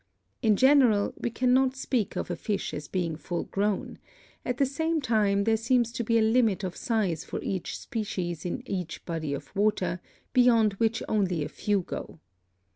In general, we cannot speak of a fish as being full grown; at the same time there seems to be a limit of size for each species in each body of water, beyond which only a few go.